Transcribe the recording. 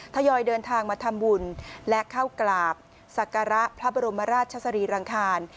ทยอยเดินทางมาทำบุญและเข้ากราบศักระพระบรมราชสรีรังคาร